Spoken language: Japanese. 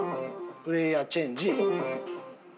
プレーヤーチェンジ。